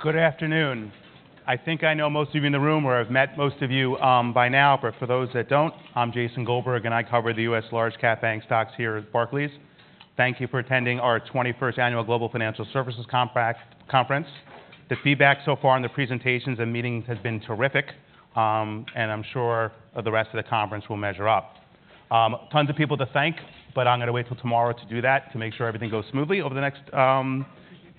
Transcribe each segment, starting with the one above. Good afternoon. I think I know most of you in the room, or I've met most of you by now, but for those that don't, I'm Jason Goldberg, and I cover the U.S. large-cap bank stocks here at Barclays. Thank you for attending our 21st Annual Global Financial Services Conference. The feedback so far on the presentations and meetings has been terrific, and I'm sure the rest of the conference will measure up. Tons of people to thank, but I'm gonna wait till tomorrow to do that, to make sure everything goes smoothly over the next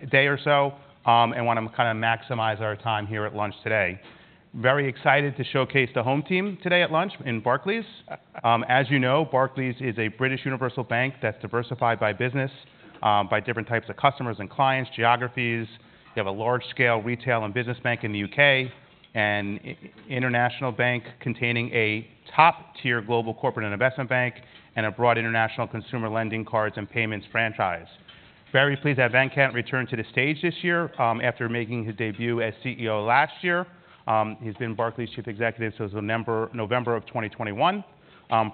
day or so, and want to kind of maximize our time here at lunch today. Very excited to showcase the home team today at lunch in Barclays. As you know, Barclays is a British universal bank that's diversified by business, by different types of customers and clients, geographies. We have a large-scale retail and business bank in the U.K., and international bank containing a top-tier global corporate and investment bank, and a broad international consumer lending cards and payments franchise. Very pleased to have Venkat return to the stage this year, after making his debut as CEO last year. He's been Barclays' Chief Executive since November of 2021.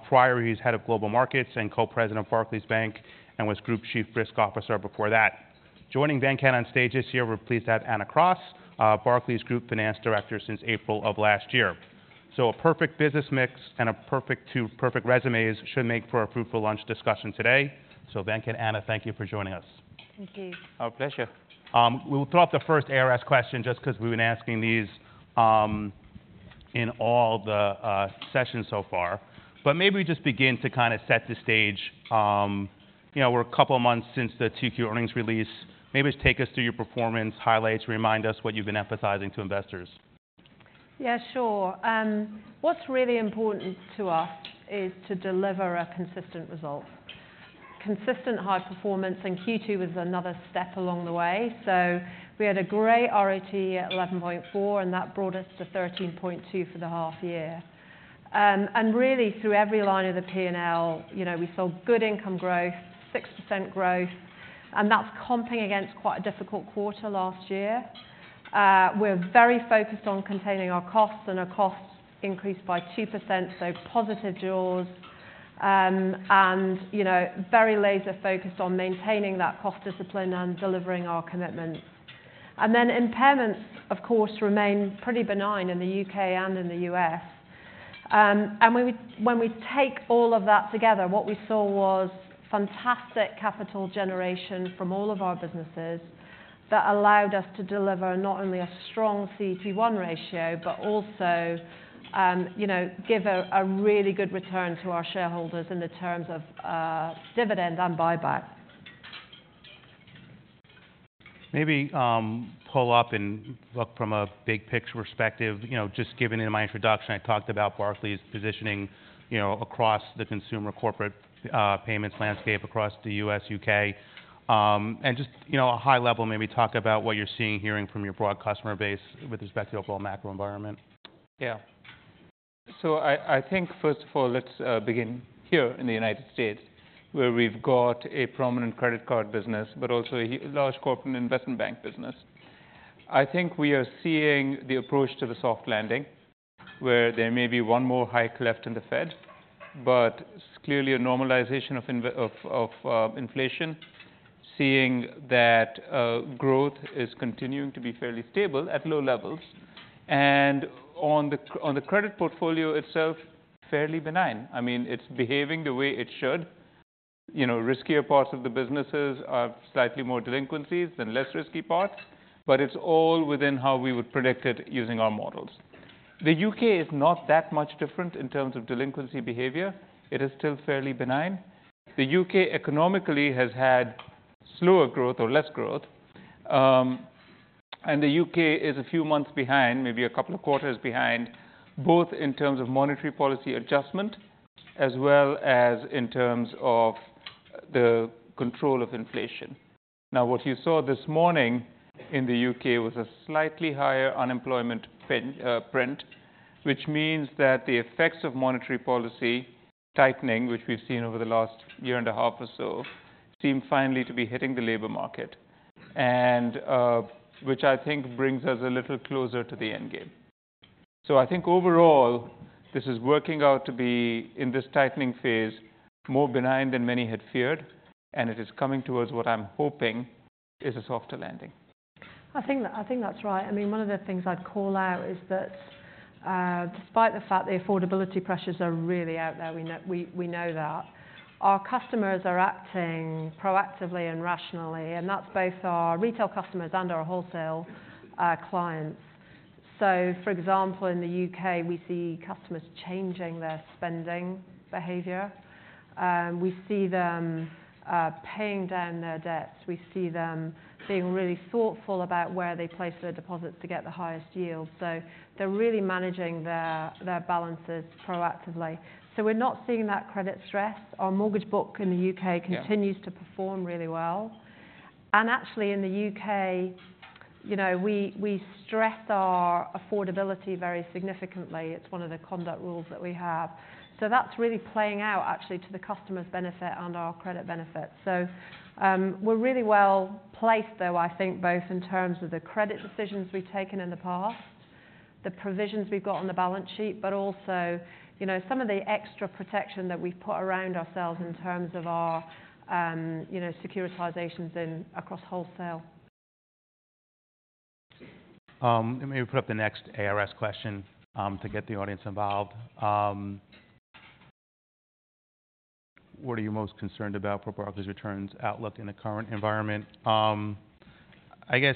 Prior, he was head of Global Markets and co-president of Barclays Bank, and was Group Chief Risk Officer before that. Joining Venkat on stage this year, we're pleased to have Anna Cross, Barclays Group Finance Director since April of last year. So a perfect business mix and a perfect two perfect resumes should make for a fruitful lunch discussion today. Venkat and Anna, thank you for joining us. Thank you. Our pleasure. We will throw out the first ARS question just because we've been asking these in all the sessions so far. But maybe just begin to kind of set the stage. You know, we're a couple of months since the Q2 earnings release. Maybe just take us through your performance highlights, remind us what you've been emphasizing to investors. Yeah, sure. What's really important to us is to deliver a consistent result, consistent high performance, and Q2 was another step along the way. So we had a great RoE at 11.4, and that brought us to 13.2 for the half year. And really, through every line of the P&L, you know, we saw good income growth, 6% growth, and that's comping against quite a difficult quarter last year. We're very focused on containing our costs, and our costs increased by 2%, so positive jaws. And, you know, very laser focused on maintaining that cost discipline and delivering our commitments. And then impairments, of course, remain pretty benign in the UK and in the US. When we take all of that together, what we saw was fantastic capital generation from all of our businesses that allowed us to deliver not only a strong CET1 ratio, but also, you know, give a really good return to our shareholders in the terms of dividend and buyback. Maybe, pull up and look from a big picture perspective. You know, just giving in my introduction, I talked about Barclays' positioning, you know, across the consumer corporate, payments landscape, across the U.S., U.K. And just, you know, a high level, maybe talk about what you're seeing, hearing from your broad customer base with respect to the overall macro environment. Yeah. So I think, first of all, let's begin here in the United States, where we've got a prominent credit card business, but also a large corporate investment bank business. I think we are seeing the approach to the soft landing, where there may be one more hike left in the Fed, but clearly a normalization of inflation, seeing that growth is continuing to be fairly stable at low levels. And on the credit portfolio itself, fairly benign. I mean, it's behaving the way it should. You know, riskier parts of the businesses have slightly more delinquencies than less risky parts, but it's all within how we would predict it using our models. The U.K. is not that much different in terms of delinquency behavior. It is still fairly benign. The U.K., economically, has had slower growth or less growth, and the U.K. is a few months behind, maybe a couple of quarters behind, both in terms of monetary policy adjustment as well as in terms of the control of inflation. Now, what you saw this morning in the U.K. was a slightly higher unemployment print, which means that the effects of monetary policy tightening, which we've seen over the last year and a half or so, seem finally to be hitting the labor market, and which I think brings us a little closer to the end game. So I think overall, this is working out to be, in this tightening phase, more benign than many had feared, and it is coming towards what I'm hoping is a softer landing. I think, I think that's right. I mean, one of the things I'd call out is that, despite the fact the affordability pressures are really out there, we know that, our customers are acting proactively and rationally, and that's both our retail customers and our wholesale clients. So, for example, in the UK, we see customers changing their spending behavior, we see them paying down their debts, we see them being really thoughtful about where they place their deposits to get the highest yield. So they're really managing their balances proactively. So we're not seeing that credit stress. Our mortgage book in the UK- Yeah... continues to perform really well. Actually, in the UK, you know, we stress our affordability very significantly. It's one of the conduct rules that we have. So that's really playing out actually to the customer's benefit and our credit benefit. So, we're really well placed, though, I think both in terms of the credit decisions we've taken in the past, the provisions we've got on the balance sheet, but also, you know, some of the extra protection that we've put around ourselves in terms of our, you know, securitizations in across wholesale. Let me put up the next ARS question to get the audience involved. What are you most concerned about for Barclays returns outlook in the current environment? I guess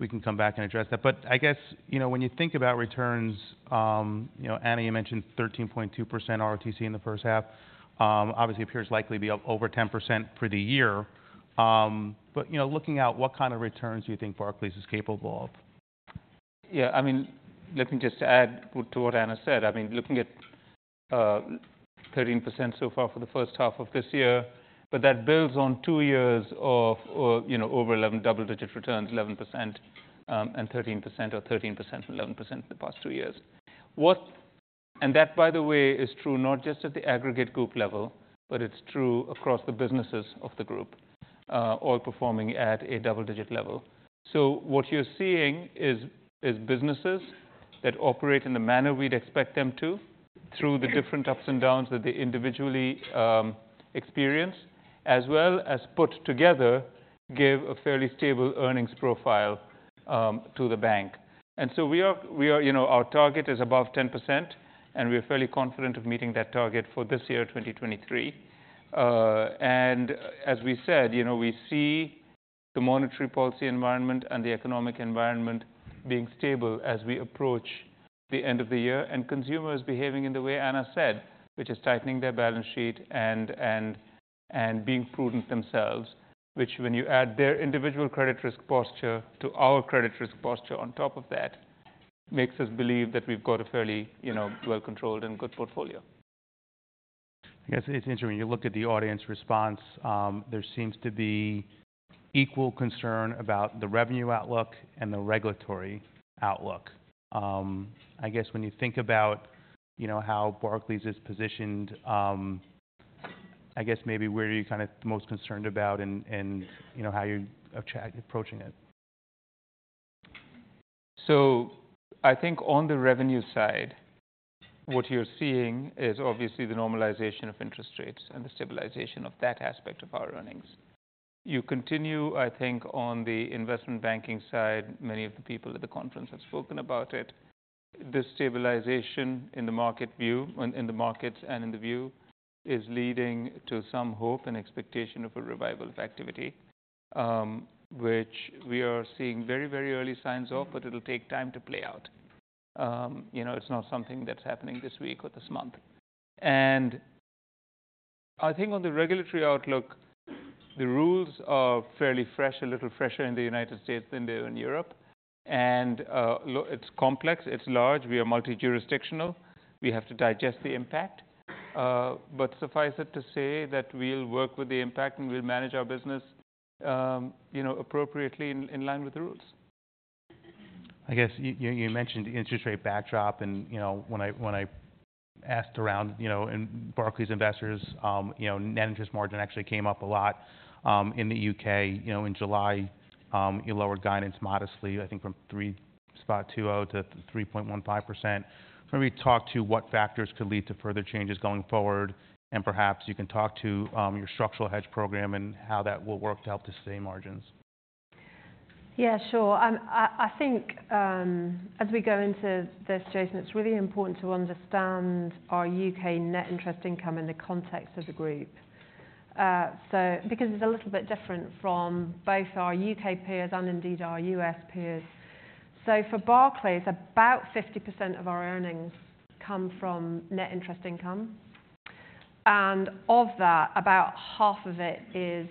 we can come back and address that, but I guess, you know, when you think about returns, you know, Anna, you mentioned 13.2% RoTE in the first half. Obviously, appears likely to be up over 10% for the year. But you know, looking out, what kind of returns do you think Barclays is capable of? Yeah, I mean, let me just add to what Anna said. I mean, looking at 13% so far for the first half of this year, but that builds on two years of, you know, over eleven double-digit returns, 11%, and 13%, or 13%, 11% for the past two years. And that, by the way, is true not just at the aggregate group level, but it's true across the businesses of the group, all performing at a double-digit level. So what you're seeing is businesses that operate in the manner we'd expect them to, through the different ups and downs that they individually experience, as well as put together, give a fairly stable earnings profile to the bank. And so we are you know, our target is above 10%, and we are fairly confident of meeting that target for this year, 2023. And as we said, you know, we see the monetary policy environment and the economic environment being stable as we approach the end of the year, and consumers behaving in the way Anna said, which is tightening their balance sheet and being prudent themselves. Which when you add their individual credit risk posture to our credit risk posture on top of that, makes us believe that we've got a fairly you know, well controlled and good portfolio. I guess it's interesting, when you look at the audience response, there seems to be equal concern about the revenue outlook and the regulatory outlook. I guess when you think about, you know, how Barclays is positioned, I guess maybe where are you kind of most concerned about and, you know, how you're approaching it? So I think on the revenue side, what you're seeing is obviously the normalization of interest rates and the stabilization of that aspect of our earnings. You continue, I think, on the investment banking side, many of the people at the conference have spoken about it. This stabilization in the market view, in, in the markets and in the view, is leading to some hope and expectation of a revival of activity, which we are seeing very, very early signs of, but it'll take time to play out. You know, it's not something that's happening this week or this month. And I think on the regulatory outlook, the rules are fairly fresh, a little fresher in the United States than they are in Europe, and it's complex, it's large, we are multi-jurisdictional. We have to digest the impact, but suffice it to say that we'll work with the impact and we'll manage our business, you know, appropriately in line with the rules. I guess you mentioned the interest rate backdrop and, you know, when I asked around, you know, in Barclays investors, you know, net interest margin actually came up a lot, in the UK. You know, in July, you lowered guidance modestly, I think from 3.20% to 3.15%. Can we talk to what factors could lead to further changes going forward? And perhaps you can talk to, your structural hedge program and how that will work to help to sustain margins. Yeah, sure. I think, as we go into this, Jason, it's really important to understand our UK net interest income in the context of the group. So because it's a little bit different from both our UK peers and indeed our US peers. So for Barclays, about 50% of our earnings come from net interest income, and of that, about half of it is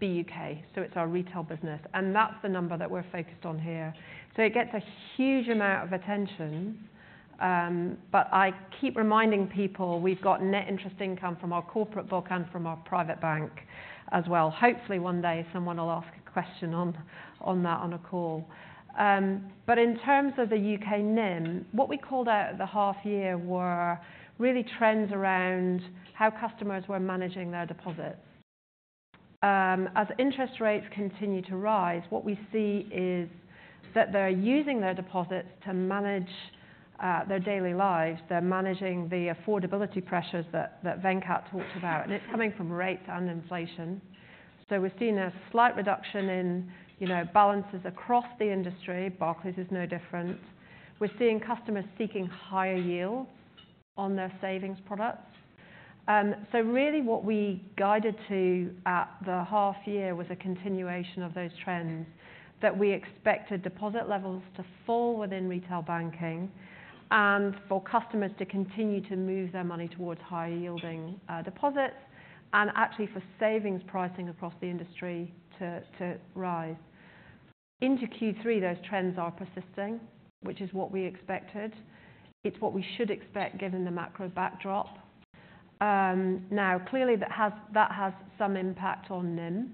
BUK. So it's our retail business, and that's the number that we're focused on here. So it gets a huge amount of attention, but I keep reminding people we've got net interest income from our corporate book and from our private bank as well. Hopefully, one day someone will ask a question on that on a call. But in terms of the UK NIM, what we called out at the half year were really trends around how customers were managing their deposits. As interest rates continue to rise, what we see is that they're using their deposits to manage their daily lives. They're managing the affordability pressures that Venkat talked about, and it's coming from rates and inflation. So we've seen a slight reduction in, you know, balances across the industry. Barclays is no different. We're seeing customers seeking higher yields on their savings products. So really what we guided to at the half year was a continuation of those trends, that we expected deposit levels to fall within retail banking and for customers to continue to move their money towards higher yielding deposits, and actually for savings pricing across the industry to rise. Into Q3, those trends are persisting, which is what we expected. It's what we should expect given the macro backdrop. Now, clearly, that has, that has some impact on NIM,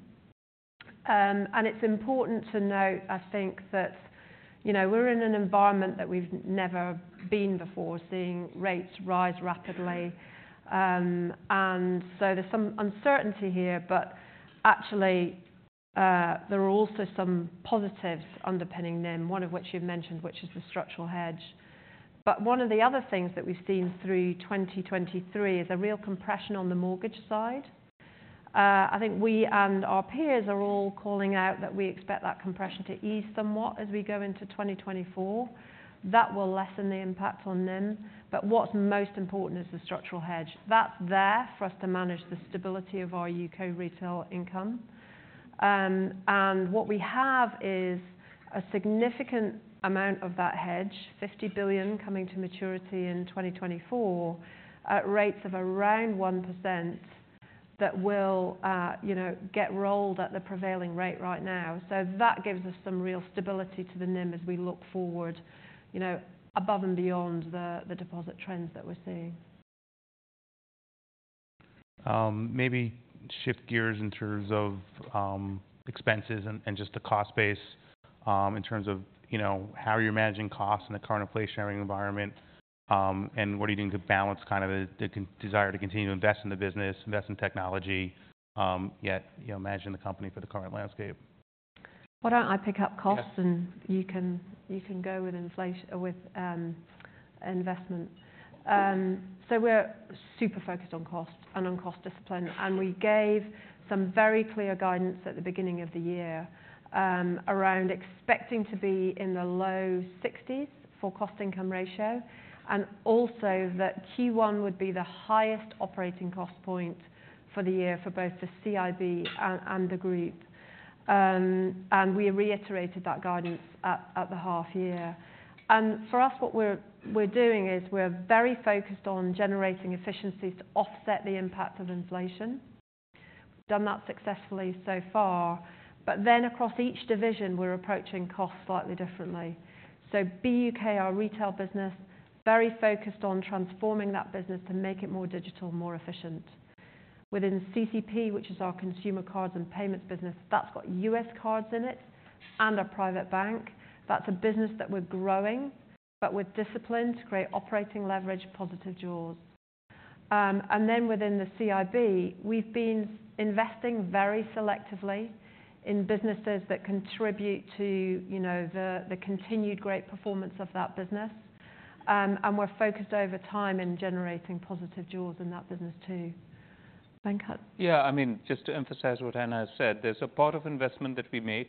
and it's important to note, I think, that, you know, we're in an environment that we've never been before, seeing rates rise rapidly. And so there's some uncertainty here, but actually, there are also some positives underpinning NIM, one of which you've mentioned, which is the structural hedge. But one of the other things that we've seen through 2023 is a real compression on the mortgage side. I think we and our peers are all calling out that we expect that compression to ease somewhat as we go into 2024. That will lessen the impact on NIM, but what's most important is the structural hedge. That's there for us to manage the stability of our UK retail income. And what we have is a significant amount of that hedge, 50 billion, coming to maturity in 2024, at rates of around 1%, that will, you know, get rolled at the prevailing rate right now. So that gives us some real stability to the NIM as we look forward, you know, above and beyond the deposit trends that we're seeing. Maybe shift gears in terms of expenses and just the cost base, in terms of, you know, how are you managing costs in the current inflationary environment, and what are you doing to balance kind of the desire to continue to invest in the business, invest in technology, yet, you know, managing the company for the current landscape? Why don't I pick up costs- Yes. And you can, you can go with inflation with investment. So we're super focused on cost and on cost discipline, and we gave some very clear guidance at the beginning of the year, around expecting to be in the low sixties for cost-income ratio, and also that Q1 would be the highest operating cost point for the year for both the CIB and the group. And we reiterated that guidance at the half year. And for us, what we're doing is we're very focused on generating efficiencies to offset the impact of inflation. We've done that successfully so far, but then across each division, we're approaching costs slightly differently. So BUK, our retail business, very focused on transforming that business to make it more digital, more efficient. Within CCP, which is our consumer cards and payments business, that's got U.S. cards in it and a private bank. That's a business that we're growing, but with discipline to create operating leverage, positive jaws. And then within the CIB, we've been investing very selectively in businesses that contribute to, you know, the, the continued great performance of that business. And we're focused over time in generating positive jaws in that business, too. Venkat? Yeah, I mean, just to emphasize what Anna has said, there's a part of investment that we make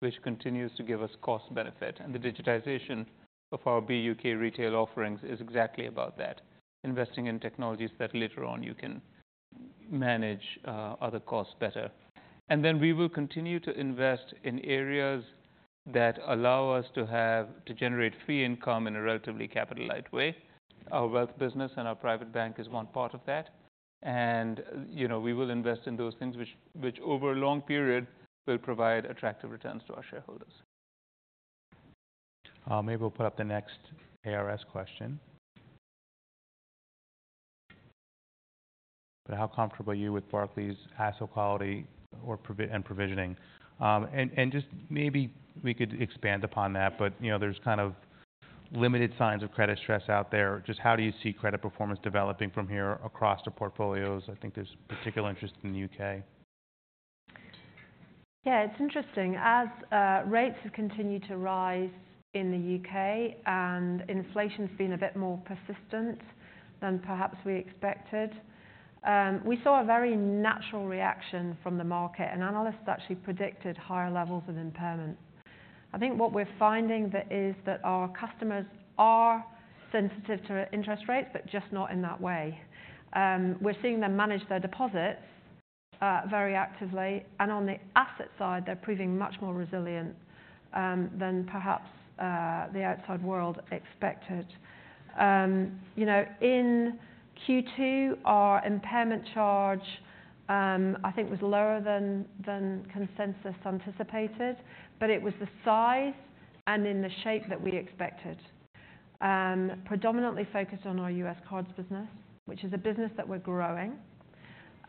which continues to give us cost benefit, and the digitization of our BUK retail offerings is exactly about that, investing in technologies that later on you can manage, other costs better. And then we will continue to invest in areas that allow us to have, to generate free income in a relatively capital-light way. Our wealth business and our private bank is one part of that, and, you know, we will invest in those things which, over a long period, will provide attractive returns to our shareholders. Maybe we'll put up the next ARS question. But how comfortable are you with Barclays' asset quality or provi-- and provisioning? Just maybe we could expand upon that, but, you know, there's kind of limited signs of credit stress out there. Just how do you see credit performance developing from here across the portfolios? I think there's particular interest in the UK. Yeah, it's interesting. As rates have continued to rise in the UK and inflation's been a bit more persistent than perhaps we expected, we saw a very natural reaction from the market, and analysts actually predicted higher levels of impairment. I think what we're finding that is that our customers are sensitive to interest rates, but just not in that way. We're seeing them manage their deposits very actively, and on the asset side, they're proving much more resilient than perhaps the outside world expected. You know, in Q2, our impairment charge I think was lower than consensus anticipated, but it was the size and in the shape that we expected. Predominantly focused on our U.S. cards business, which is a business that we're growing, and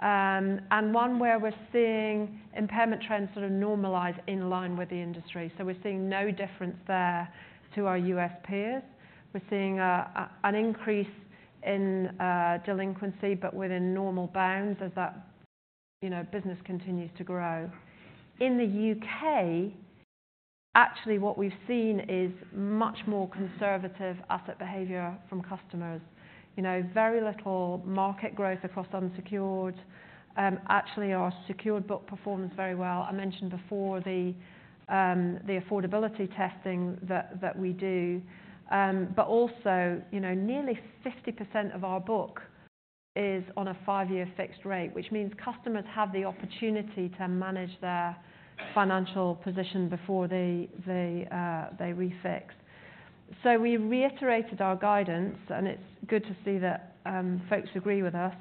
one where we're seeing impairment trends sort of normalize in line with the industry. So we're seeing no difference there to our U.S. peers. We're seeing an increase in delinquency, but within normal bounds as that, you know, business continues to grow. In the U.K., actually what we've seen is much more conservative asset behavior from customers. You know, very little market growth across unsecured. Actually, our secured book performs very well. I mentioned before the affordability testing that we do, but also, you know, nearly 50% of our book is on a five-year fixed rate, which means customers have the opportunity to manage their financial position before they refix. We reiterated our guidance, and it's good to see that, folks agree with us,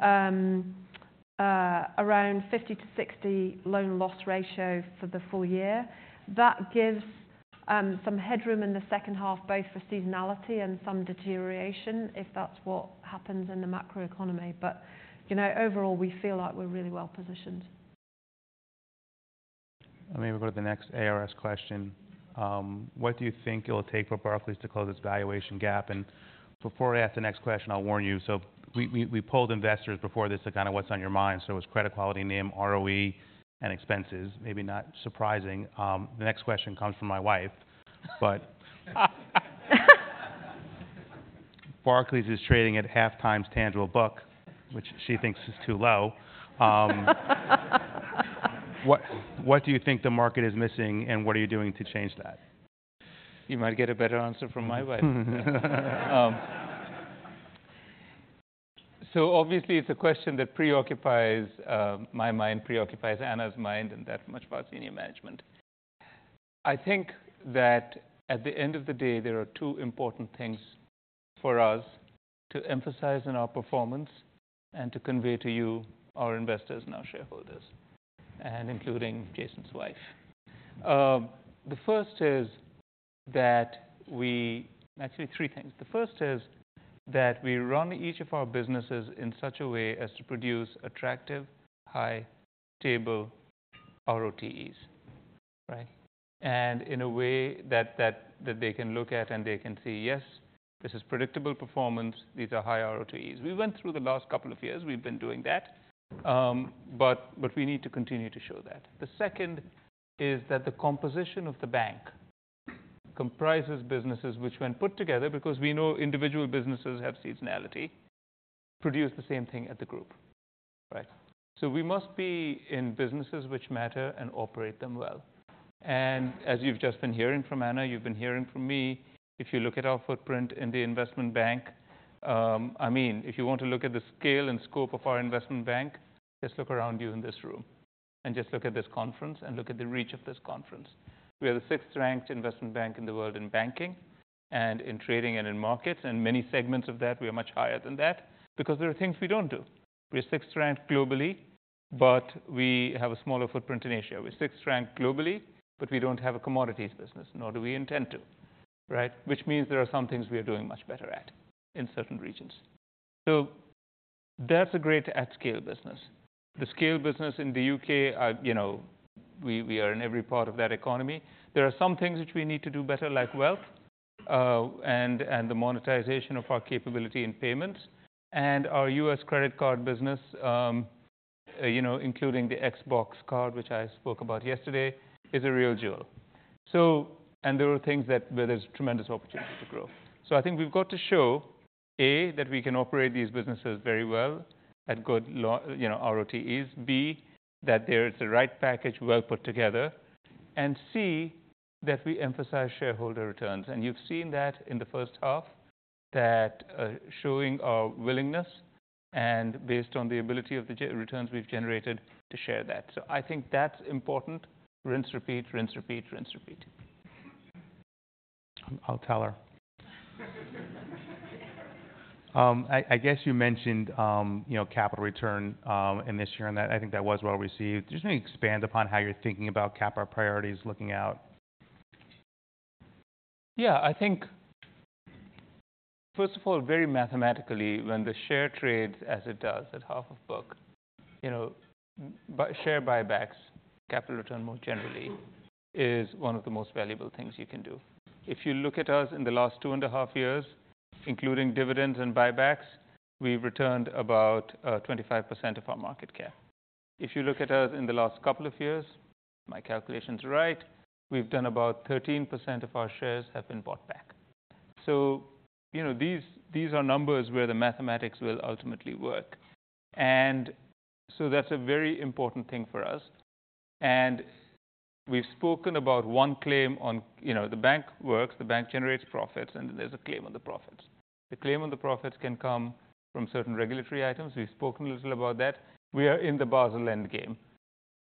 around 50-60 loan loss ratio for the full year. That gives some headroom in the second half, both for seasonality and some deterioration, if that's what happens in the macroeconomy. You know, overall, we feel like we're really well positioned. Let me go to the next ARS question. What do you think it'll take for Barclays to close its valuation gap? And before I ask the next question, I'll warn you. So we polled investors before this to kind of what's on your mind, so it's credit quality, NIM, ROE, and expenses. Maybe not surprising. The next question comes from my wife, but Barclays is trading at 0.5x tangible book, which she thinks is too low. What do you think the market is missing, and what are you doing to change that? You might get a better answer from my wife. So obviously, it's a question that preoccupies my mind, preoccupies Anna's mind, and that much of our senior management. I think that at the end of the day, there are two important things for us to emphasize in our performance and to convey to you, our investors and our shareholders, and including Jason's wife. The first is that we, actually three things. The first is that we run each of our businesses in such a way as to produce attractive, high, stable ROTEs, right? And in a way that they can look at and they can say, "Yes, this is predictable performance. These are high ROTEs." We went through the last couple of years, we've been doing that, but we need to continue to show that. The second is that the composition of the bank comprises businesses which, when put together, because we know individual businesses have seasonality, produce the same thing at the group, right? So we must be in businesses which matter and operate them well. And as you've just been hearing from Anna, you've been hearing from me, if you look at our footprint in the investment bank, I mean, if you want to look at the scale and scope of our investment bank, just look around you in this room, and just look at this conference, and look at the reach of this conference. We are the sixth-ranked investment bank in the world in banking, and in trading, and in markets, and many segments of that, we are much higher than that because there are things we don't do. We're sixth ranked globally, but we have a smaller footprint in Asia. We're sixth ranked globally, but we don't have a commodities business, nor do we intend to, right? Which means there are some things we are doing much better at in certain regions. So that's a great at-scale business. The scale business in the U.K., you know, we are in every part of that economy. There are some things which we need to do better, like wealth, and the monetization of our capability in payments. And our U.S. credit card business, you know, including the Xbox card, which I spoke about yesterday, is a real jewel. And there are things that, where there's tremendous opportunity to grow. So I think we've got to show, A, that we can operate these businesses very well at good low you know, ROTEs. B, that there is the right package well put together, and C, that we emphasize shareholder returns. And you've seen that in the first half, showing our willingness and based on the ability of the returns we've generated to share that. So I think that's important. Rinse, repeat, rinse, repeat, rinse, repeat. I'll tell her. I guess you mentioned, you know, capital return in this year, and that, I think that was well received. Just maybe expand upon how you're thinking about cap our priorities looking out. Yeah, I think, first of all, very mathematically, when the share trades, as it does at half of book, you know, buybacks, capital return, more generally, is one of the most valuable things you can do. If you look at us in the last 2.5 years, including dividends and buybacks, we've returned about 25% of our market cap. If you look at us in the last couple of years, my calculation's right, we've done about 13% of our shares have been bought back. So, you know, these are numbers where the mathematics will ultimately work. And so that's a very important thing for us. And we've spoken about one claim on... You know, the bank works, the bank generates profits, and there's a claim on the profits. The claim on the profits can come from certain regulatory items. We've spoken a little about that. We are in the Basel Endgame.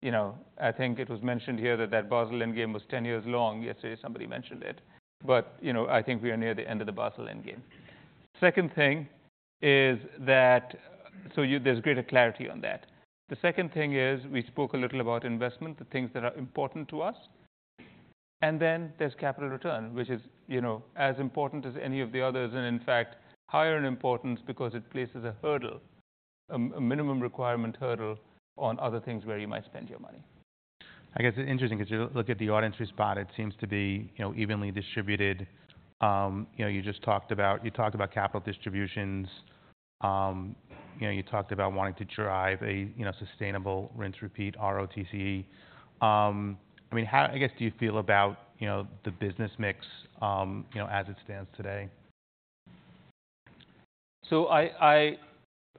You know, I think it was mentioned here that that Basel Endgame was 10 years long. Yesterday, somebody mentioned it, but, you know, I think we are near the end of the Basel Endgame. Second thing is that, so you, there's greater clarity on that. The second thing is, we spoke a little about investment, the things that are important to us, and then there's capital return, which is, you know, as important as any of the others, and in fact, higher in importance because it places a hurdle, a minimum requirement hurdle on other things where you might spend your money. I guess it's interesting, as you look at the audience response, it seems to be, you know, evenly distributed. You know, you just talked about, you talked about capital distributions, you know, you talked about wanting to drive a, you know, sustainable rinse, repeat, ROTCE. I mean, how, I guess, do you feel about, you know, the business mix, you know, as it stands today? So I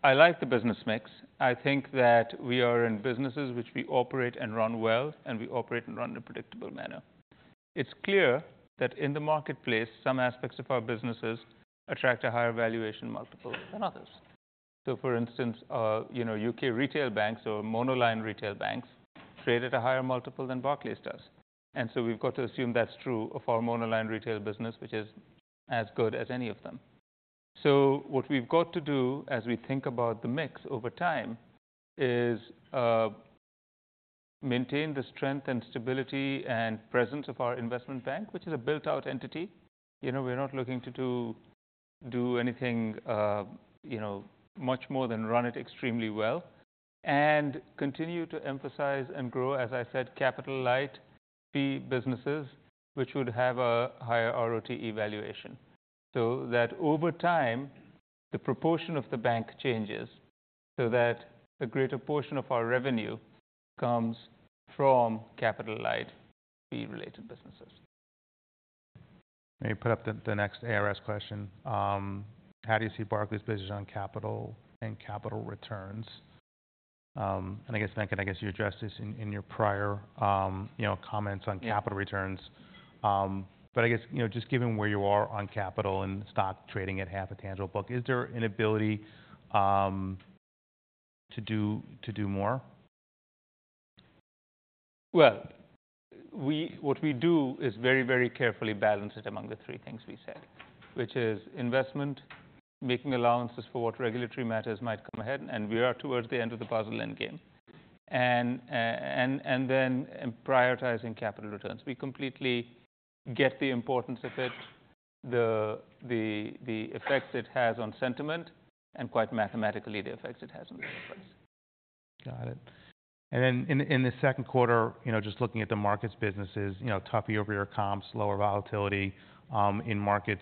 like the business mix. I think that we are in businesses which we operate and run well, and we operate and run in a predictable manner. It's clear that in the marketplace, some aspects of our businesses attract a higher valuation multiple than others. So for instance, you know, U.K. retail banks or monoline retail banks trade at a higher multiple than Barclays does. And so we've got to assume that's true of our monoline retail business, which is as good as any of them. So what we've got to do, as we think about the mix over time, is maintain the strength and stability and presence of our investment bank, which is a built-out entity. You know, we're not looking to do anything, you know, much more than run it extremely well and continue to emphasize and grow, as I said, capital light fee businesses, which would have a higher ROTE valuation. So that over time, the proportion of the bank changes, so that a greater portion of our revenue comes from capital light fee-related businesses. Let me put up the next ARS question. How do you see Barclays business on capital and capital returns? And I guess, Venkat, I guess you addressed this in your prior, you know, comments on capital returns. Yeah. But I guess, you know, just given where you are on capital and stock trading at half the tangible book, is there an ability to do more? Well, what we do is very, very carefully balanced among the three things we said, which is investment, making allowances for what regulatory matters might come ahead, and we are towards the end of the Basel end game, and then prioritizing capital returns. We completely get the importance of it, the effects it has on sentiment, and quite mathematically, the effects it has on the enterprise. Got it. And then in the second quarter, you know, just looking at the markets businesses, you know, tough year-over-year comps, lower volatility in markets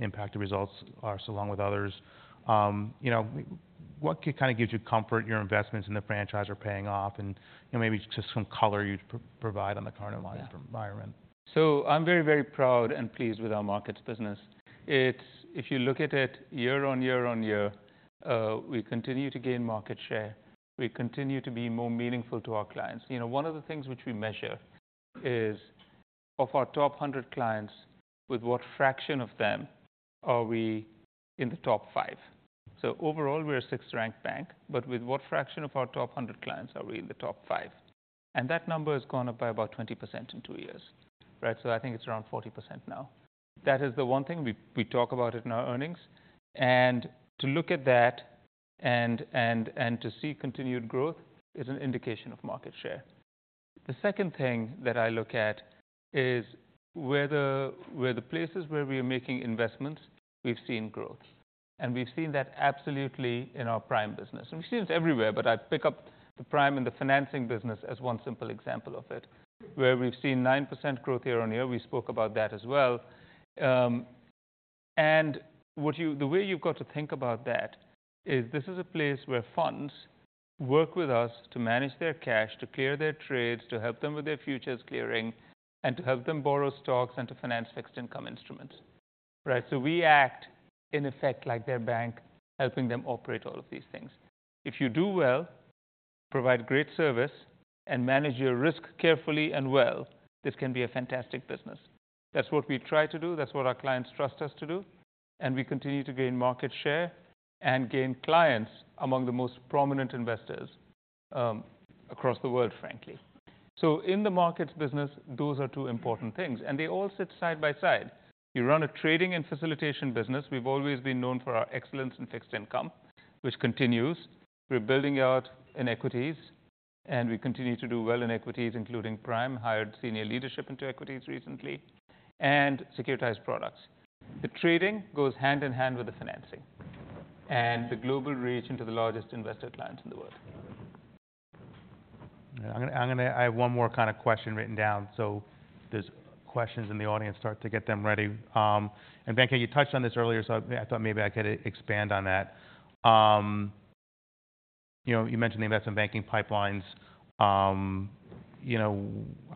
impacted results as well along with others. You know, what kind of gives you comfort your investments in the franchise are paying off, and, you know, maybe just some color you'd provide on the current environment? So I'm very, very proud and pleased with our markets business. It's... If you look at it year on year on year, we continue to gain market share. We continue to be more meaningful to our clients. You know, one of the things which we measure is of our top 100 clients, with what fraction of them are we in the top five? So overall, we're a sixth-ranked bank, but with what fraction of our top 100 clients are we in the top five? And that number has gone up by about 20% in 2 years, right? So I think it's around 40% now. That is the one thing we talk about it in our earnings. And to look at that and to see continued growth is an indication of market share. The second thing that I look at is whether the places where we are making investments, we've seen growth. We've seen that absolutely in our prime business, and we've seen it everywhere. But I pick up the prime and the financing business as one simple example of it, where we've seen 9% growth year-on-year. We spoke about that as well. And the way you've got to think about that is this is a place where funds work with us to manage their cash, to clear their trades, to help them with their futures clearing, and to help them borrow stocks, and to finance fixed income instruments. Right? So we act in effect, like their bank, helping them operate all of these things. If you do well, provide great service, and manage your risk carefully and well, this can be a fantastic business. That's what we try to do, that's what our clients trust us to do, and we continue to gain market share and gain clients among the most prominent investors across the world, frankly. So in the markets business, those are two important things, and they all sit side by side. We run a trading and facilitation business. We've always been known for our excellence in fixed income, which continues. We're building out in equities, and we continue to do well in equities, including Prime, hired senior leadership into equities recently, and securitized products. The trading goes hand in hand with the financing, and the global reach into the largest investor clients in the world. I'm gonna... I have one more kind of question written down, so there's questions in the audience, start to get them ready. And Venkat, you touched on this earlier, so I thought maybe I could expand on that. You know, you mentioned the investment banking pipelines, you know,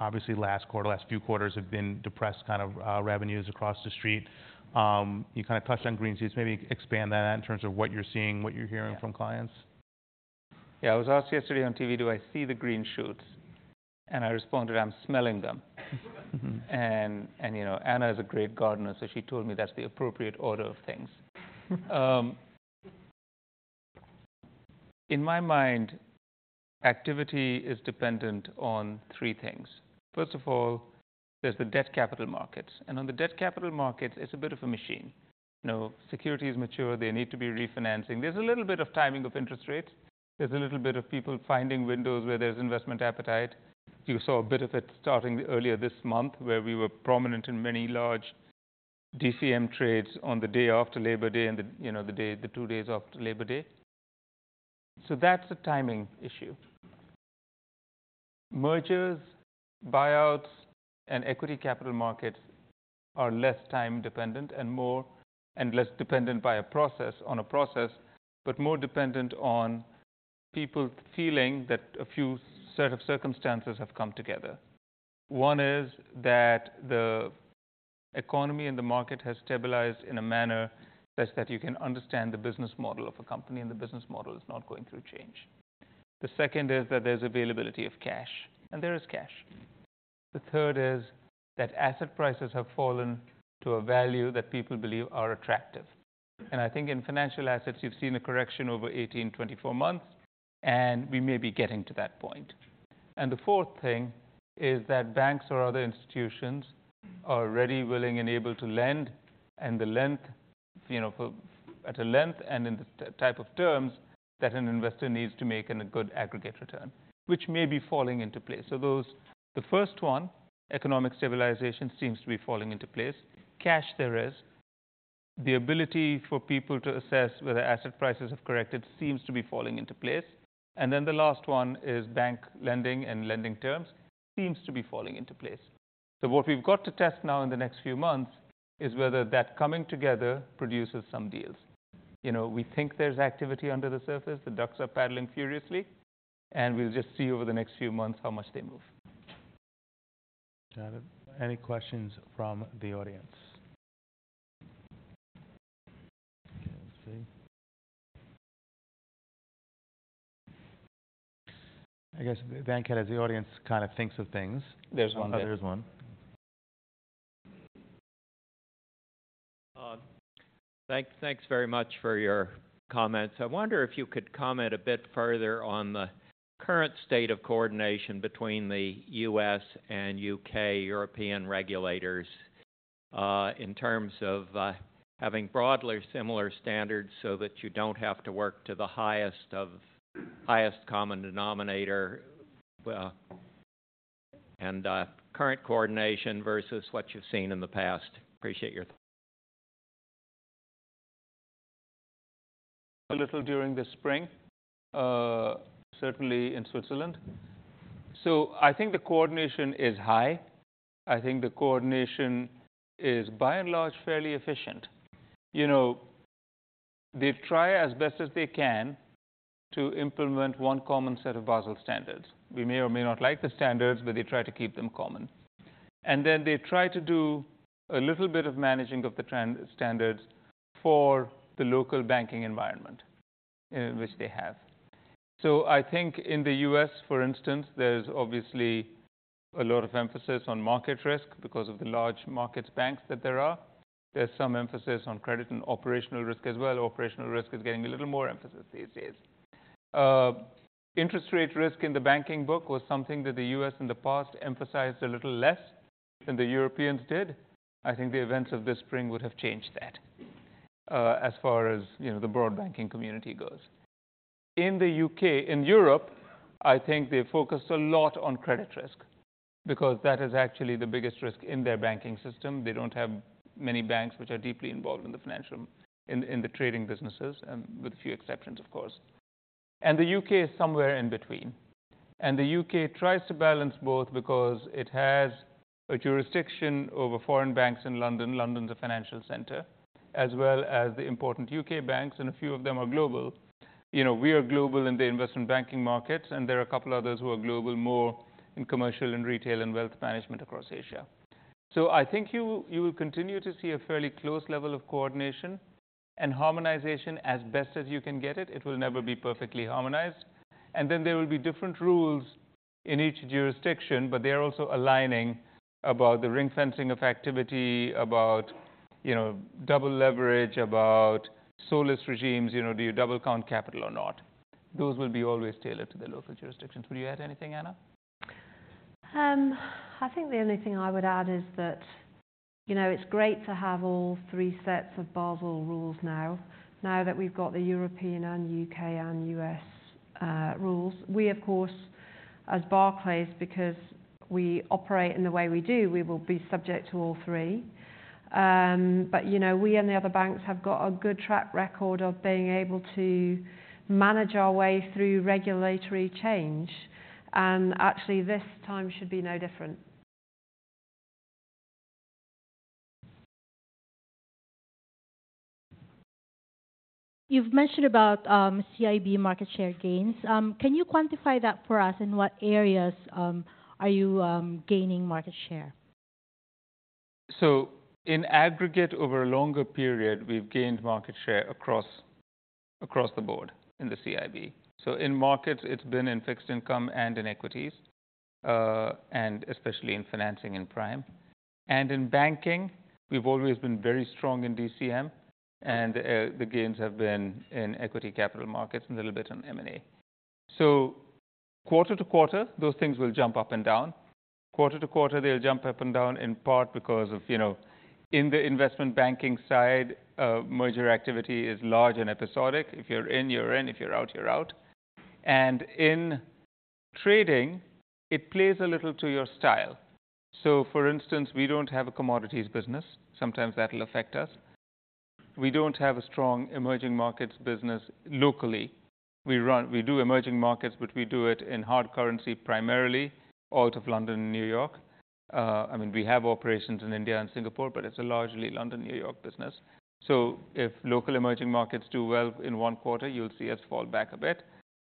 obviously last quarter, last few quarters have been depressed, kind of revenues across the street. You kind of touched on green shoots. Maybe expand that in terms of what you're seeing, what you're hearing from clients. Yeah, I was asked yesterday on TV, do I see the green shoots? And I responded, "I'm smelling them. Mm-hmm. You know, Anna is a great gardener, so she told me that's the appropriate order of things. In my mind, activity is dependent on three things. First of all, there's the debt capital markets, and on the debt capital markets, it's a bit of a machine. You know, securities mature, they need to be refinancing. There's a little bit of timing of interest rates. There's a little bit of people finding windows where there's investment appetite. You saw a bit of it starting earlier this month, where we were prominent in many large DCM trades on the day after Labor Day and the, you know, the day, the two days after Labor Day. So that's a timing issue. Mergers, buyouts, and equity capital markets are less time dependent and more, and less dependent by a process, on a process, but more dependent on people feeling that a few set of circumstances have come together. One is that the economy and the market has stabilized in a manner such that you can understand the business model of a company, and the business model is not going through change. The second is that there's availability of cash, and there is cash. The third is that asset prices have fallen to a value that people believe are attractive. I think in financial assets, you've seen a correction over 18-24 months, and we may be getting to that point. And the fourth thing is that banks or other institutions are ready, willing, and able to lend, and the lending, you know, for at a length and in the type of terms that an investor needs to make in a good aggregate return, which may be falling into place. So those... The first one, economic stabilization, seems to be falling into place. Cash there is. The ability for people to assess whether asset prices have corrected seems to be falling into place. And then the last one is bank lending, and lending terms seems to be falling into place. So what we've got to test now in the next few months is whether that coming together produces some deals... you know, we think there's activity under the surface, the ducks are paddling furiously, and we'll just see over the next few months how much they move. Any questions from the audience? Okay, let's see. I guess, Bank, as the audience kind of thinks of things. There's one there. Oh, there's one. Thanks very much for your comments. I wonder if you could comment a bit further on the current state of coordination between the U.S. and U.K., European regulators, in terms of having broadly similar standards so that you don't have to work to the highest common denominator, and current coordination versus what you've seen in the past. Appreciate your time. A little during the spring, certainly in Switzerland. So I think the coordination is high. I think the coordination is by and large, fairly efficient. You know, they try as best as they can to implement one common set of Basel standards. We may or may not like the standards, but they try to keep them common. And then they try to do a little bit of managing of the trends and standards for the local banking environment, which they have. So I think in the U.S., for instance, there's obviously a lot of emphasis on market risk because of the large markets banks that there are. There's some emphasis on credit and operational risk as well. Operational risk is getting a little more emphasis these days. Interest rate risk in the banking book was something that the U.S., in the past, emphasized a little less than the Europeans did. I think the events of this spring would have changed that, as far as, you know, the broad banking community goes. In the U.K., in Europe, I think they focused a lot on credit risk, because that is actually the biggest risk in their banking system. They don't have many banks which are deeply involved in the financial... in the trading businesses, and with few exceptions, of course. The U.K. is somewhere in between. The U.K. tries to balance both because it has a jurisdiction over foreign banks in London. London is a financial center, as well as the important U.K. banks, and a few of them are global. You know, we are global in the investment banking markets, and there are a couple others who are global, more in commercial and retail and wealth management across Asia. So I think you, you will continue to see a fairly close level of coordination and harmonization as best as you can get it. It will never be perfectly harmonized. And then there will be different rules in each jurisdiction, but they are also aligning about the ring fencing of activity, about, you know, double leverage, about solvency regimes, you know, do you double count capital or not? Those will be always tailored to the local jurisdictions. Would you add anything, Anna? I think the only thing I would add is that, you know, it's great to have all three sets of Basel rules now, now that we've got the European and U.K. and U.S. rules. We, of course, as Barclays, because we operate in the way we do, we will be subject to all three. But, you know, we and the other banks have got a good track record of being able to manage our way through regulatory change, and actually, this time should be no different. You've mentioned about CIB market share gains. Can you quantify that for us, in what areas are you gaining market share? So in aggregate, over a longer period, we've gained market share across the board in the CIB. So in markets, it's been in fixed income and in equities, and especially in financing and prime. And in banking, we've always been very strong in DCM, and the gains have been in equity capital markets and a little bit on M&A. So quarter to quarter, those things will jump up and down. Quarter to quarter, they'll jump up and down, in part because of, you know, in the investment banking side, merger activity is large and episodic. If you're in, you're in, if you're out, you're out. And in trading, it plays a little to your style. So for instance, we don't have a commodities business. Sometimes that will affect us. We don't have a strong emerging markets business locally. We do emerging markets, but we do it in hard currency, primarily out of London and New York. I mean, we have operations in India and Singapore, but it's a largely London, New York business. So if local emerging markets do well in one quarter, you'll see us fall back a bit.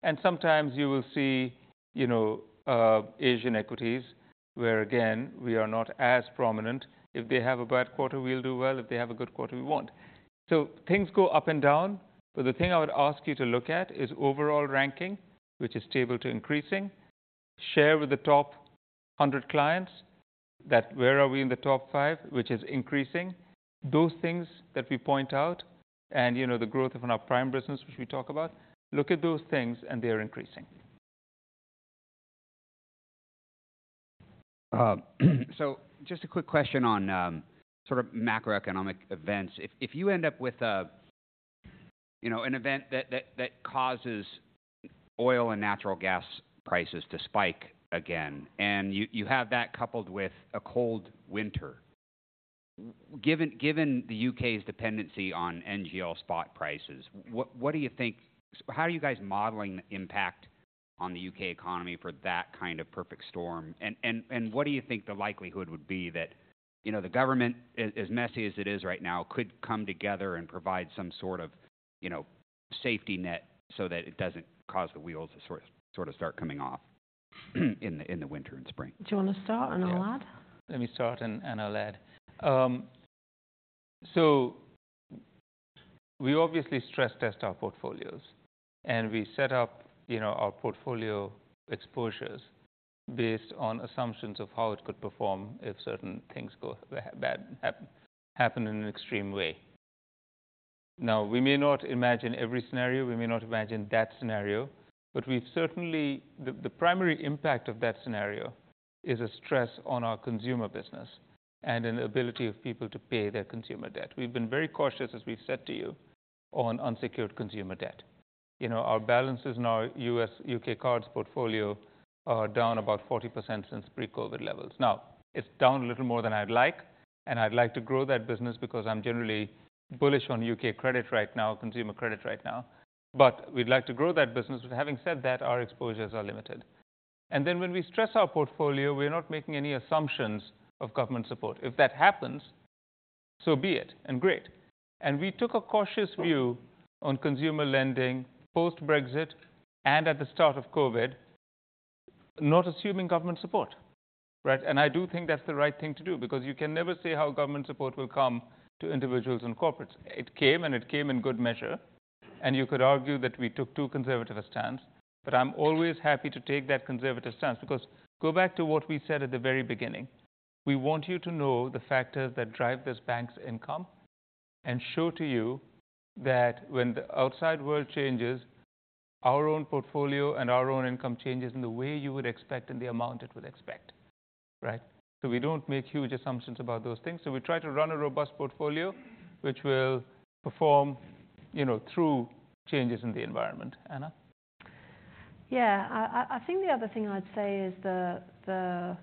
And sometimes you will see, you know, Asian equities, where again, we are not as prominent. If they have a bad quarter, we'll do well. If they have a good quarter, we won't. So things go up and down, but the thing I would ask you to look at is overall ranking, which is stable to increasing. Share with the top 100 clients, that where are we in the top five, which is increasing. Those things that we point out, and you know, the growth of our prime business, which we talk about. Look at those things, and they are increasing. So just a quick question on sort of macroeconomic events. If you end up with a you know an event that causes oil and natural gas prices to spike again, and you have that coupled with a cold winter, given the U.K.'s dependency on LNG spot prices, what do you think—how are you guys modeling the impact?... on the UK economy for that kind of perfect storm? And what do you think the likelihood would be that, you know, the government, as messy as it is right now, could come together and provide some sort of, you know, safety net so that it doesn't cause the wheels to sort of start coming off in the winter and spring? Do you want to start, and I'll add? Yeah. Let me start, and I'll add. So we obviously stress test our portfolios, and we set up, you know, our portfolio exposures based on assumptions of how it could perform if certain things go bad, happen in an extreme way. Now, we may not imagine every scenario, we may not imagine that scenario, but we've certainly the primary impact of that scenario is a stress on our consumer business and an ability of people to pay their consumer debt. We've been very cautious, as we've said to you, on unsecured consumer debt. You know, our balances in our U.S., U.K. cards portfolio are down about 40% since pre-COVID levels. Now, it's down a little more than I'd like, and I'd like to grow that business because I'm generally bullish on U.K. credit right now, consumer credit right now. We'd like to grow that business, but having said that, our exposures are limited. Then when we stress our portfolio, we're not making any assumptions of government support. If that happens, so be it, and great. We took a cautious view on consumer lending post-Brexit and at the start of COVID, not assuming government support, right? I do think that's the right thing to do because you can never say how government support will come to individuals and corporates. It came, and it came in good measure, and you could argue that we took too conservative a stance, but I'm always happy to take that conservative stance. Because go back to what we said at the very beginning, we want you to know the factors that drive this bank's income and show to you that when the outside world changes, our own portfolio and our own income changes in the way you would expect and the amount it would expect, right? So we don't make huge assumptions about those things. So we try to run a robust portfolio, which will perform, you know, through changes in the environment. Anna? Yeah. I think the other thing I'd say is the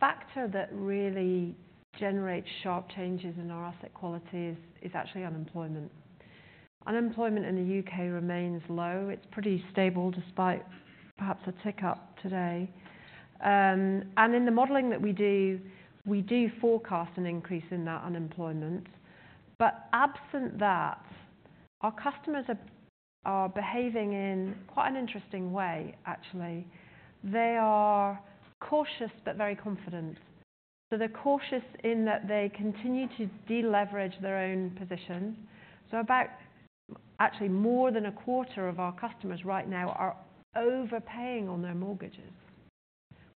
factor that really generates sharp changes in our asset quality is actually unemployment. Unemployment in the UK remains low. It's pretty stable, despite perhaps a tick up today. And in the modeling that we do, we do forecast an increase in that unemployment. But absent that, our customers are behaving in quite an interesting way, actually. They are cautious but very confident. So they're cautious in that they continue to deleverage their own positions. So about actually more than a quarter of our customers right now are overpaying on their mortgages,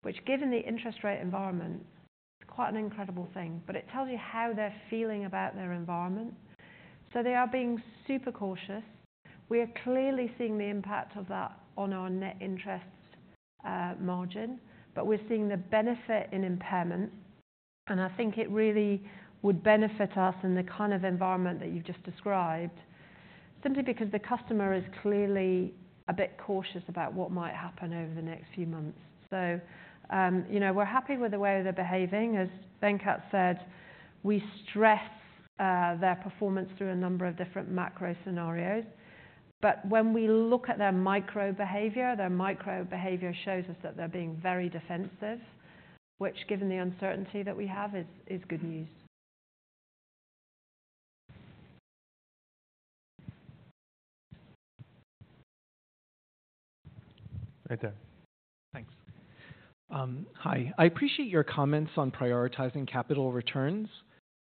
which, given the interest rate environment, is quite an incredible thing. But it tells you how they're feeling about their environment. So they are being super cautious. We are clearly seeing the impact of that on our net interest margin, but we're seeing the benefit in impairments, and I think it really would benefit us in the kind of environment that you've just described, simply because the customer is clearly a bit cautious about what might happen over the next few months. So, you know, we're happy with the way they're behaving. As Venkat said, we stress their performance through a number of different macro scenarios. But when we look at their micro behavior, their micro behavior shows us that they're being very defensive, which, given the uncertainty that we have, is good news. Right there. Thanks. Hi. I appreciate your comments on prioritizing capital returns,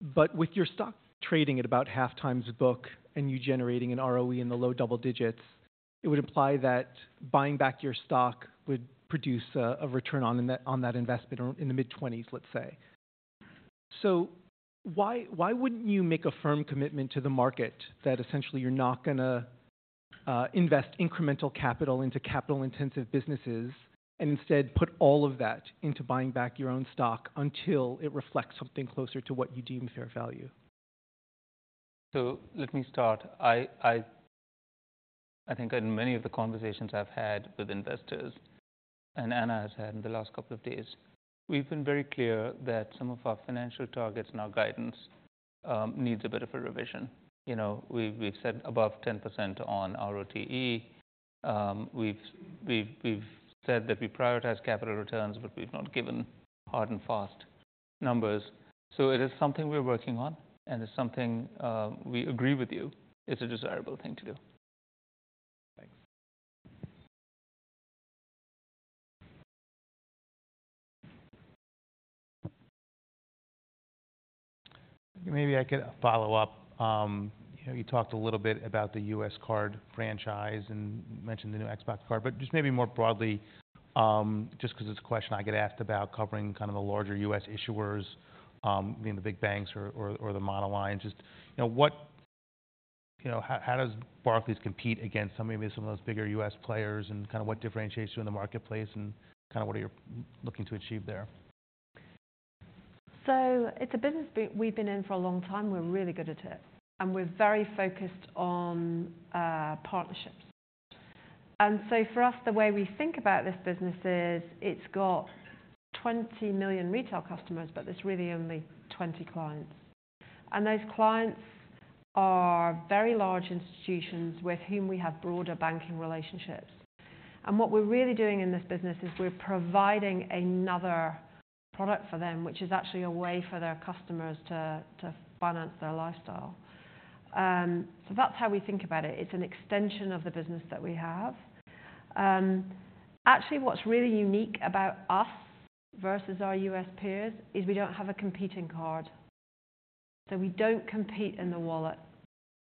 but with your stock trading at about 0.5 times book and you generating an ROE in the low double digits, it would imply that buying back your stock would produce a return on that investment in the mid-20s, let's say. So why wouldn't you make a firm commitment to the market that essentially you're not gonna invest incremental capital into capital-intensive businesses and instead put all of that into buying back your own stock until it reflects something closer to what you deem fair value? Let me start. I think in many of the conversations I've had with investors, and Anna has had in the last couple of days, we've been very clear that some of our financial targets and our guidance needs a bit of a revision. You know, we've said above 10% on ROTE. We've said that we prioritize capital returns, but we've not given hard and fast numbers. It is something we're working on, and it's something we agree with you. It's a desirable thing to do. Thanks. Maybe I could follow up. You know, you talked a little bit about the US card franchise and mentioned the new Xbox card, but just maybe more broadly, just because it's a question I get asked about covering kind of the larger US issuers, being the big banks or the monoline, just, you know, what, you know, how does Barclays compete against some, maybe some of those bigger US players, and kind of what differentiates you in the marketplace, and kind of what are you looking to achieve there? So it's a business we've been in for a long time. We're really good at it, and we're very focused on partnerships. And so for us, the way we think about this business is, it's got 20 million retail customers, but there's really only 20 clients.... And those clients are very large institutions with whom we have broader banking relationships. And what we're really doing in this business is we're providing another product for them, which is actually a way for their customers to finance their lifestyle. So that's how we think about it. It's an extension of the business that we have. Actually, what's really unique about us versus our U.S. peers is we don't have a competing card. So we don't compete in the wallet.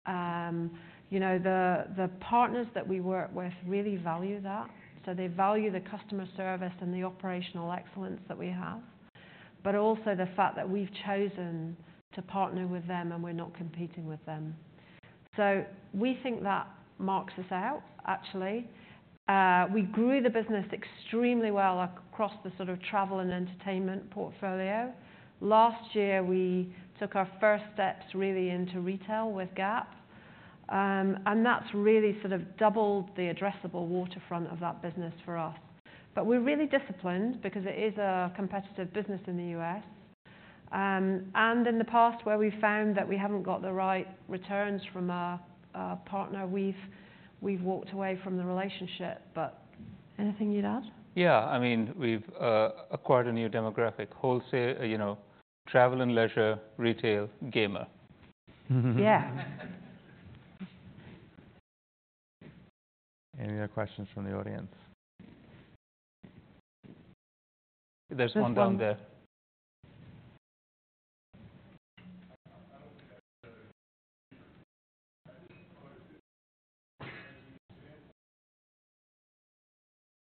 You know, the partners that we work with really value that, so they value the customer service and the operational excellence that we have, but also the fact that we've chosen to partner with them, and we're not competing with them. So we think that marks us out, actually. We grew the business extremely well across the sort of travel and entertainment portfolio. Last year, we took our first steps really into retail with Gap. And that's really sort of doubled the addressable waterfront of that business for us. But we're really disciplined because it is a competitive business in the U.S. And in the past, where we found that we haven't got the right returns from our partner, we've walked away from the relationship. But anything you'd add? Yeah, I mean, we've acquired a new demographic, wholesale, you know, travel and leisure, retail, gamer. Yeah. Any other questions from the audience? There's one down there.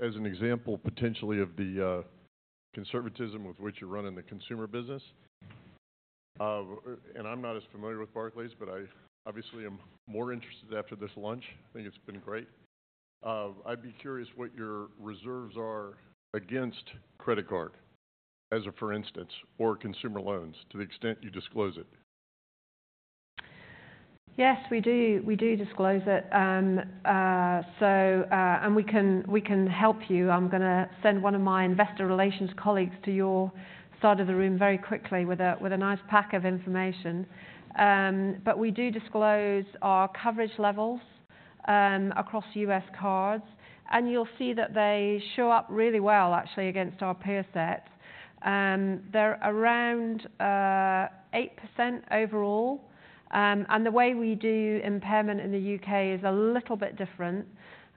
As an example, potentially of the conservatism with which you're running the consumer business. I'm not as familiar with Barclays, but I obviously am more interested after this lunch. I think it's been great. I'd be curious what your reserves are against credit card, as a for instance, or consumer loans, to the extent you disclose it. Yes, we do. We do disclose it. And we can, we can help you. I'm gonna send one of my investor relations colleagues to your side of the room very quickly with a, with a nice pack of information. But we do disclose our coverage levels across U.S. cards, and you'll see that they show up really well, actually, against our peer set. They're around 8% overall. And the way we do impairment in the U.K. is a little bit different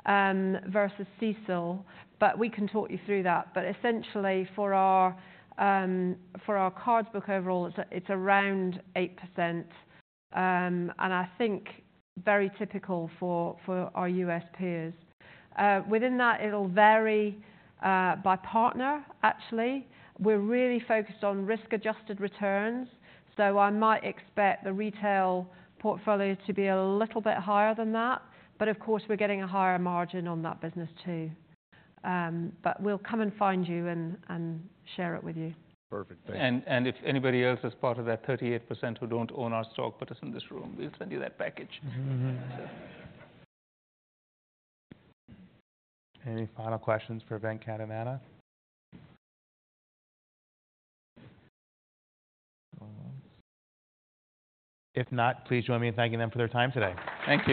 versus CECL, but we can talk you through that. But essentially, for our, for our cards book overall, it's, it's around 8%, and I think very typical for, for our U.S. peers. Within that, it'll vary by partner, actually. We're really focused on risk-adjusted returns, so I might expect the retail portfolio to be a little bit higher than that. But of course, we're getting a higher margin on that business, too. But we'll come and find you and share it with you. Perfect. Thank you. If anybody else is part of that 38% who don't own our stock, but is in this room, we'll send you that package. Any final questions for Venkat and Anna? If not, please join me in thanking them for their time today. Thank you.